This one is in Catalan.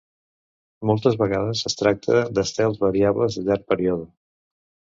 Moltes vegades es tracta d'estels variables de llarg període.